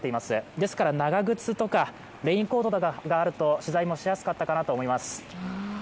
ですから長靴とかレインコートがあると取材もしやすかったかなと思います。